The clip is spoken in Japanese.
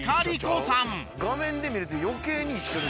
画面で見ると余計に一緒ですよ。